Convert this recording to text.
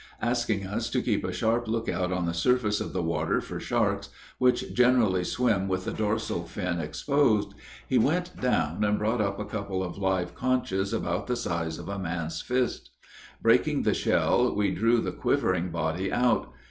Asking us to keep a sharp lookout on the surface of the water for sharks, which generally swim with the dorsal fin exposed, he went down and brought up a couple of live conchs about the size of a man's fist. Breaking the shell, we drew the quivering body out.